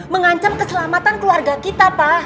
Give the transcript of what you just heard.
mengancam keselamatan keluarga kita pak